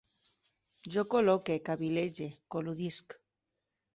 Jo col·loque, cavil·lege, col·ludisc